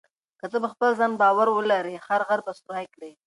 که ته په خپل ځان باور ولرې، هر غر به سوري کړې.